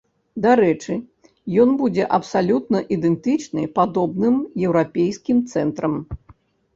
Дарэчы, ён будзе абсалютна ідэнтычны падобным еўрапейскім цэнтрам.